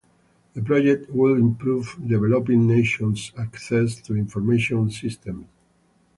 The project would improve developing nations' access to information systems.